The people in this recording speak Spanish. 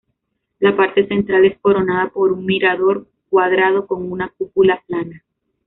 La parte central es coronada por un mirador cuadrado con una cúpula plana.